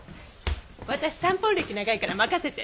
私タンポン歴長いから任せて！